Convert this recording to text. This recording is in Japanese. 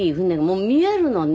もう見えるのね。